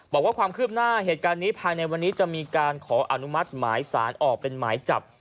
บอกว่าความคืบหน้าเหตุการณ์นี้ภายในวันนี้จะมีการขออนุมัติหมายสารออกเป็นหมายจับ